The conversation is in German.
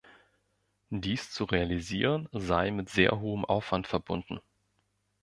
Dies zu realisieren sei mit sehr hohem Aufwand verbunden.